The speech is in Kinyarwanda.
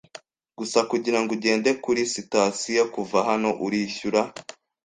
gusa kugirango ugende kuri sitasiyo kuva hano urishyura.